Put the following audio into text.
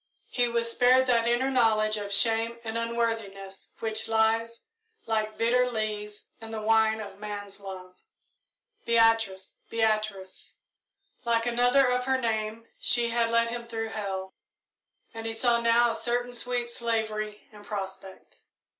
He was spared that inner knowledge of shame and unworthiness which lies, like bitter lees, in the wine of man's love. "Beatrice! Beatrice!" Like another of her name she had led him through hell, and he saw now a certain sweet slavery in prospect.